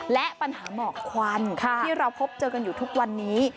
และปัญหาหมอกควันที่เราพบเจอกันอยู่ทุกวันนี้